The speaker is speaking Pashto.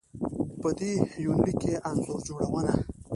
په دې يونليک کې انځور جوړونه